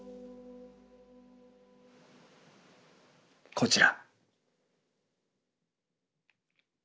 こちら。